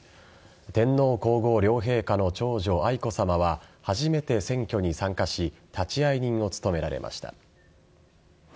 天皇皇后両陛下の長女愛子さまは初めて選挙に参加し立会人を務められました。